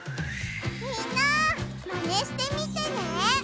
みんなマネしてみてね！